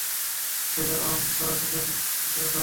Laser on করার প্রক্রিয়াটা শুরু করে দাও।